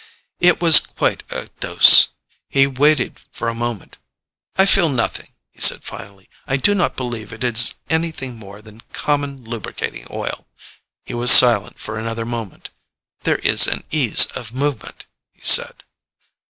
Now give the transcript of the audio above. It was quite a dose. He waited for a moment. "I feel nothing," he said finally. "I do not believe it is anything more than common lubricating oil." He was silent for another moment. "There is an ease of movement," he said.